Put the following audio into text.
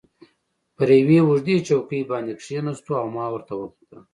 پر یوې اوږدې چوکۍ باندې کښېناستو او ما ورته وکتل.